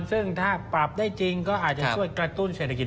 ซึ่งถ้าปรับได้จริงก็อาจจะช่วยกระตุ้นเศรษฐกิจ